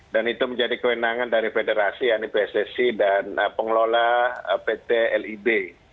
dan itu menjadi kewenangan dari federasi anipssc dan pengelola pt lid